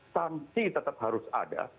sanksi tetap harus ada